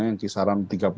yang kisaran tiga puluh lima